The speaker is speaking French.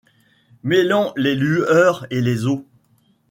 Mêlant les lueurs et les eaux